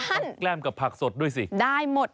แกล้มกับผักสดด้วยสิได้หมด